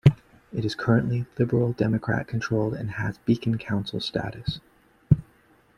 It is currently Liberal Democrat controlled, and has Beacon Council status.